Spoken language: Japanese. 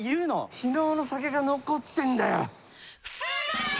昨日の酒が残ってんだよ。